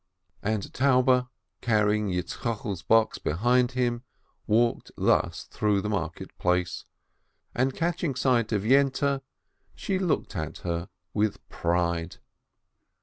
And Taube, carrying Yitzchokel's box behind him, walked thus through the market place, and, catching sight of Yente, she looked at her with pride.